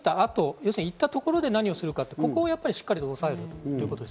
動く途中過程ではなく、行ったところで何をするか、ここをしっかり押さえるということです。